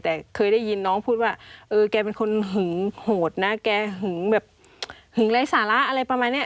แต่เคยได้ยินน้องพูดว่าเออแกเป็นคนหึงโหดนะแกหึงแบบหึงไร้สาระอะไรประมาณเนี้ย